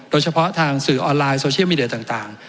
โดยเฉพาะทางสื่อออนไลน์โซเชียลมีเดียต่าง